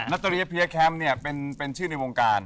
นาตาเลียเพียร์แคมป์เนี่ยเป็นชื่อในวงการ